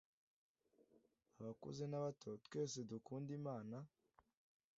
abakuze n’abato twese dukunde imana